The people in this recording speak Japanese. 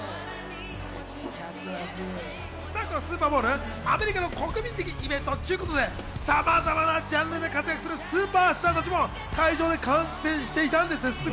このスーパーボウル、アメリカの国民的イベントということで、様々なジャンルで活躍するスーパースターたちも会場で観戦していたんです。